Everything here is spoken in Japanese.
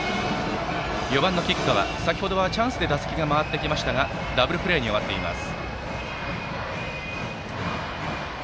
そして４番の吉川は先程はチャンスで打席が回ってきましたがダブルプレーに終わっています。